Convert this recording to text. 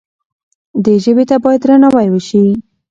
دې ژبې ته باید درناوی وشي.